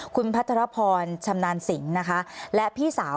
คุณพัทรพรชำนาญสิงนะคะและพี่สาว